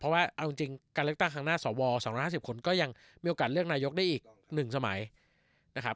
เพราะว่าเอาจริงจริงการเลือกตั้งข้างหน้าสอบวอลสองร้านห้าสิบคนก็ยังมีโอกาสเลือกนายกได้อีกหนึ่งสมัยนะครับ